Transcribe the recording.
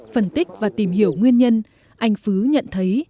phân tích và tìm hiểu nguyên nhân anh phứ nhận thấy